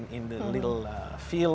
di wilayah kecil